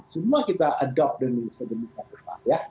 semua kita adopt demi sejenis kota